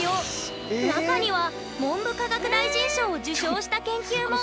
中には文部科学大臣賞を受賞した研究も！